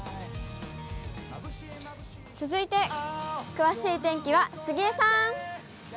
続いて、詳しい天気は杉江さん。